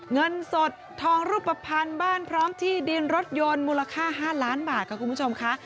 เงินสดทองรูปภัณฑ์บ้านพร้อมที่ดินรถยนต์มูลค่า๕ล้านบาทค่ะคุณผู้ชมค่ะ